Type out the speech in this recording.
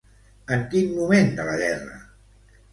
En quin moment de la guerra?